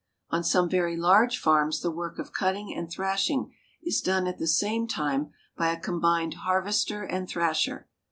On some very large farms the work of cutting and thrash ing is done at the same time by a combined harvester and thrasher.